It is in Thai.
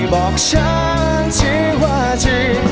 บอกฉันที่ว่าที่